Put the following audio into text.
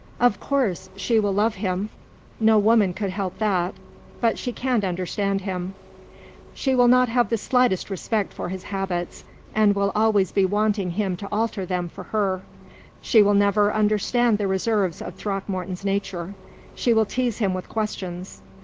"Of course, she will love him no woman could help that but she can't understand him. She will not have the slightest respect for his habits, and will always be wanting him to alter them for her. She never will understand the reserves of Throckmorton's nature. She will tease him with questions.